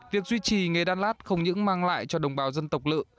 việc duy trì nghề đan lát không những mang lại cho đồng bào dân tộc lự